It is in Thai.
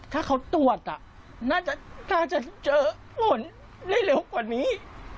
ถ้าเขาตรวจน่าจะเจอผลได้เร็วกว่านี้